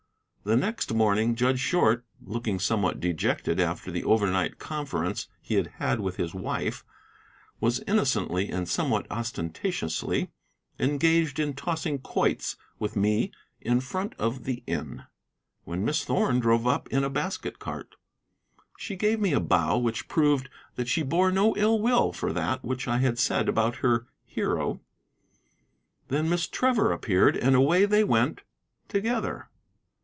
The next morning Judge Short, looking somewhat dejected after the overnight conference he had had with his wife, was innocently and somewhat ostentatiously engaged in tossing quoits with me in front of the inn, when Miss Thorn drove up in a basket cart. She gave me a bow which proved that she bore no ill will for that which I had said about her hero. Then Miss Trevor appeared, and away they went together.